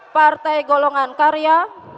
partai golongan karya